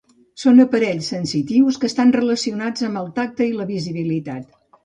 Són aparells sensitius que estan relacionats amb el tacte i la visibilitat.